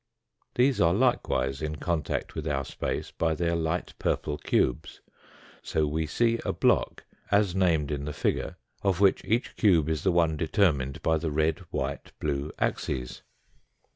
These are likewise in contact with our space by their light purple cubes, so we see a block as named in the figure, of which each cube is the one determined by the red, white, blue, axes.